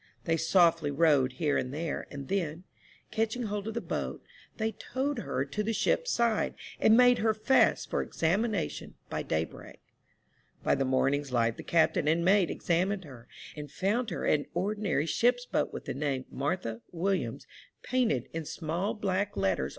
They softly rowed here and there, and then, catching hold of the boat, they towed her to the ship's side, and made her fast for examination by daybreak. By the morning's light the captain and mate ex amined her and found her an ordinary ship's boat with the name, Martha WiUianis, painted in small black letters 226 AN OCEAN MYSTERY.